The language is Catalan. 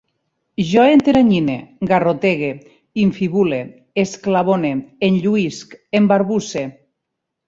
Jo enteranyine, garrotege, infibule, esclavone, enlluïsc, embarbusse